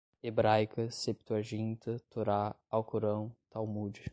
hebraica, septuaginta, torá, alcorão, talmude